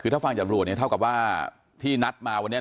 คือถ้าฟังจากตำรวจเนี่ยเท่ากับว่าที่นัดมาวันนี้